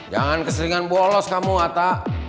jangan keseringan bolos kamu ata